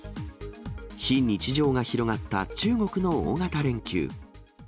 非日常が広がった中国の大型連休。